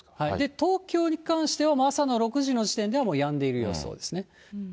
東京に関しては、朝の６時の時点ではやんでいる予想ですね。